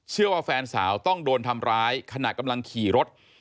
เชื่อว่าแฟนสาวต้องโดนทำร้ายขนาดกำลังขี่รถ